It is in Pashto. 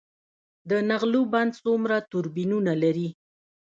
د نغلو بند څومره توربینونه لري؟